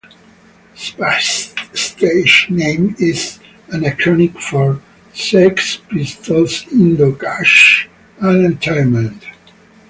Spice's stage name is an acronym for "Sex, Pistols, Indo, Cash, and Entertainment".